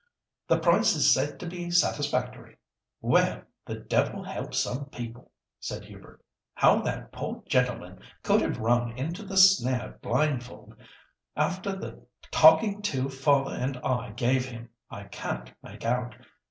The price is said to be satisfactory.' Well, the devil helps some people," said Hubert. "How that poor gentleman could have run into the snare blindfold after the talking to father and I gave him, I can't make out.